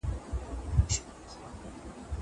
ته ولي مړۍ خورې؟